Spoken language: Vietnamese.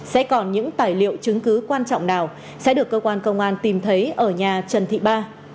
sẽ còn những tài liệu chứng cứ quan trọng nào sẽ được cơ quan công an tìm thấy ở nhà trần thị ba